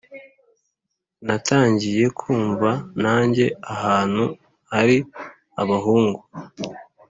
natangiye kumva najya ahantu hari abahungu.